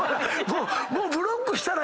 もうブロックしたらええね